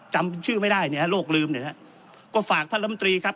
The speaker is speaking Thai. จำชื่อไม่ได้เนี่ยโรคลืมเนี่ยฮะก็ฝากท่านลำตรีครับ